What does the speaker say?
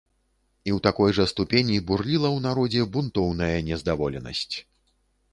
І ў такой жа ступені бурліла ў народзе бунтоўная нездаволенасць.